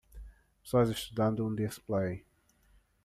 Pessoas estudando um display.